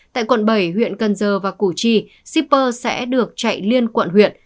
tại quận bảy huyện cần giờ và củ chi shipper sẽ được chạy liên quận huyện